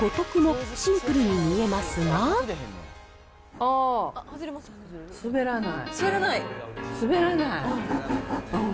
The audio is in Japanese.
あー、滑らない。